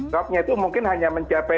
stoknya itu mungkin hanya mencapai